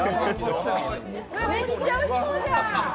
めっちゃおいしそうじゃん！